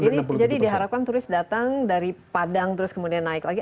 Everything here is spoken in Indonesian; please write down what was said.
jadi diharapkan turis datang dari padang terus kemudian naik lagi